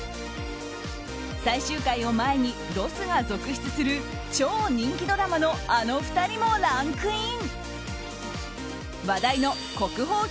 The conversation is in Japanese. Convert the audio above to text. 最終回を前にロスが続出する超人気ドラマのあの２人もランクイン。